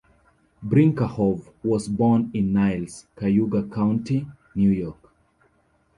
Brinkerhoff was born in Niles, Cayuga County, New York.